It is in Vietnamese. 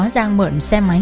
giang mượn xe máy